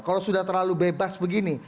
kalau sudah terlalu bebas begini